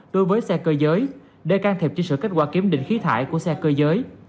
đối với xe cơ giới để can thiệp chỉnh sửa kết quả kiểm định khí thải của xe cơ giới